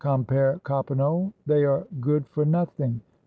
Compere Coppenole! They are good for nothing.